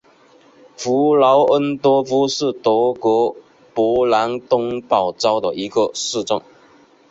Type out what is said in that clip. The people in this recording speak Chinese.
弗劳恩多夫是德国勃兰登堡州的一个市镇。